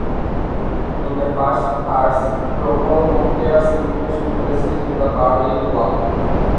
In the first verse, Promoe compares immigration policy to the Berlin Wall.